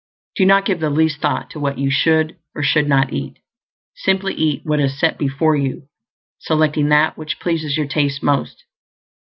Do not give the least thought to what you should or should not eat; simply eat what is set before you, selecting that which pleases your taste most.